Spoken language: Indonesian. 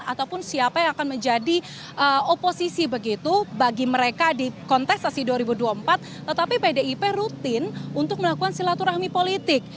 ataupun siapa yang akan menjadi oposisi begitu bagi mereka di kontestasi dua ribu dua puluh empat tetapi pdip rutin untuk melakukan silaturahmi politik